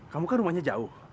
kamu kan rumahnya jauh